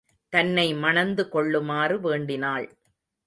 தன்னை மணந்து கொள்ளுமாறு வேண்டினாள்.